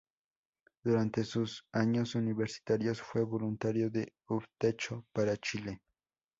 Durante sus años universitarios fue voluntario de Un Techo para Chile.